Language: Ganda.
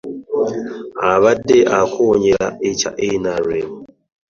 Abadde akonjera ekya NRM